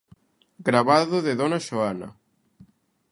Gravado de dona Xoana.